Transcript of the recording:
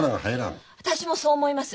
私もそう思います。